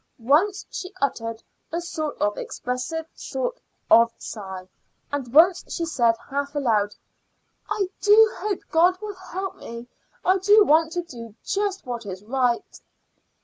Once she uttered a short, expressive sort of sigh; and once she said half aloud: "I do hope God will help me. I do want to do just what is right."